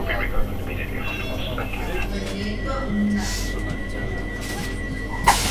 Bwe ne tua unna...